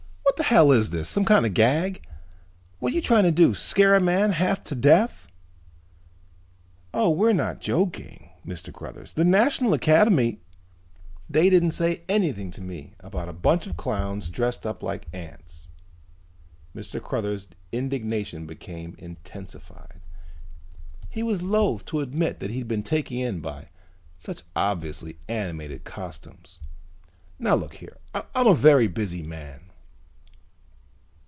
"What the hell is this, some kind of a gag! What are you trying to do, scare a man half to death!" "Oh, we're not joking, Mr. Cruthers. The National Academy " "They didn't say anything to me about a bunch of clowns dressed up like ants!" Mr. Cruthers' indignation became intensified. He was loathe to admit that he'd been taken in by such obviously animated costumes. "Now look here, I'm a very busy man."